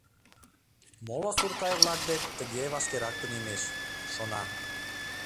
Моло сурткайык-влак дек тыге вашкерак тунемеш, шона.